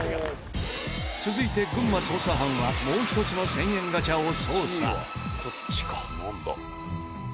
続いて群馬捜査班はもう一つの１０００円ガチャを捜査。